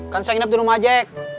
kan saya nginep di rumah aja